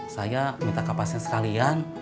saya minta ke pasien sekalian